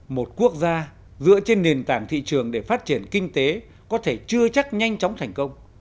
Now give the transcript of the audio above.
một quốc gia dựa trên nền tảng thị trường để phát triển kinh tế có thể chưa chắc nhanh chóng thành công